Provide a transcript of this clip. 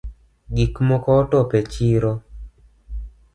Gik mokootop e chiro